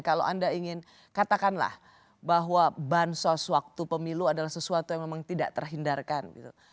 kalau anda ingin katakanlah bahwa bansos waktu pemilu adalah sesuatu yang memang tidak terhindarkan gitu